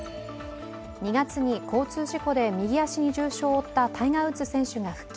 ２月に交通事故で右足に重傷を負ったタイガー・ウッズ選手が復帰。